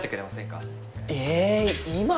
え今？